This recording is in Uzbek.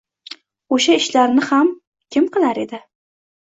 O‘sha ishlarni ham kim qilar edi?